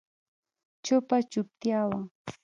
چوپه چوپتيا وه.